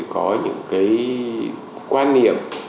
có những cái quan niệm